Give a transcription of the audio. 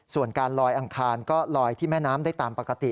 ส่วนการลอยอังคารก็ลอยที่แม่น้ำได้ตามปกติ